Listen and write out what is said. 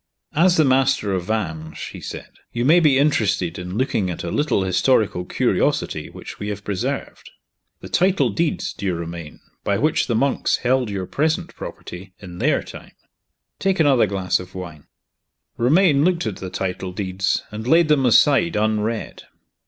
"As the master of Vange," he said, "you may be interested in looking at a little historical curiosity which we have preserved. The title deeds, dear Romayne, by which the monks held your present property, in their time. Take another glass of wine." Romayne looked at the title deeds, and laid them aside unread.